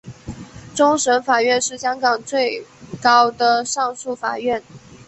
终审法院是香港最高的上诉法院。